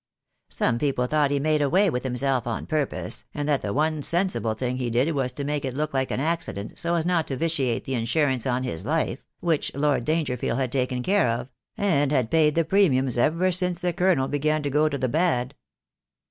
Some people thought he made away with himself on purpose, and that the one sensible thing he did was to make it look like accident, so as not to vitiate the insurance on his life, which Lord Dangerfield had taken care of, and had paid the premiums ever since the Colonel began to go to the bad.